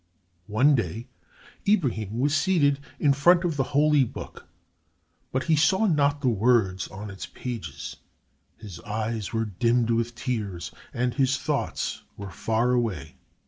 One day Ibrahim was seated in front of the Holy Book, but he saw not the words on its pages. His eyes were dimmed with tears and his thoughts were far away.